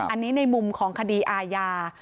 อันนี้ในมุมของคดีอาญา